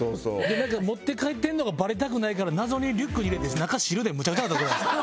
なんか持って帰ってるのがバレたくないから謎にリュックに入れて中汁でむちゃくちゃになった事あります。